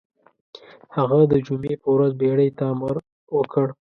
هغه د جمعې په ورځ بېړۍ ته امر وکړ.